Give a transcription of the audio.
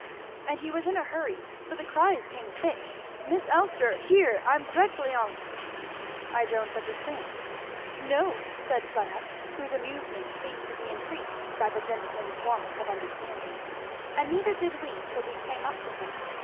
And he was in a hurry, for the cries came thick 'Miss Elster! here! I'm dreadfully on't' " "I don't understand " "No," said Fleda, whose amusement seemed to be increased by the gentleman's want of understanding, "and neither did we till we came up to him.